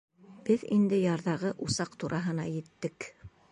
Беҙ инде ярҙағы усаҡ тураһына еттек.